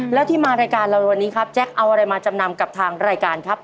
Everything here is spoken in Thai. แล้วที่มารายการเราในวันนี้ครับแจ๊คเอาอะไรมาจำนำกับทางรายการครับ